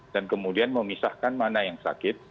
dan kemudian memisahkan mana yang sakit